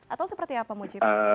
atau seperti apa mujib